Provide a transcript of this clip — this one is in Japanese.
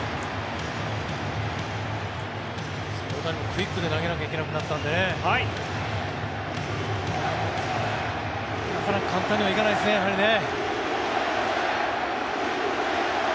大谷もクイックで投げなきゃいけなくなったのでなかなか簡単にはいかないですねやっぱりね。